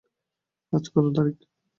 আজ কত তারিখ?